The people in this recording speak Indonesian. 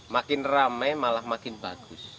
makin rame malah makin bagus